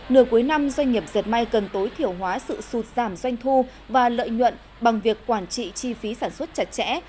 nửa cuối năm doanh nghiệp dệt may cần tối thiểu hóa sự sụt giảm doanh thu và lợi nhuận bằng việc quản trị chi phí sản xuất chặt chẽ